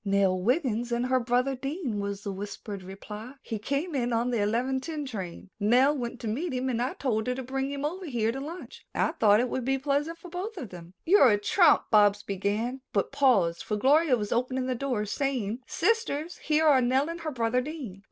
"Nell Wiggin and her brother Dean," was the whispered reply. "He came in on the eleven ten train. Nell went to meet him and I told her to bring him over here to lunch. I thought it would be pleasant for both of them." "You're a trump," Bobs began, but paused, for Gloria was opening the door, saying, "Sisters, here are Nell and her brother Dean."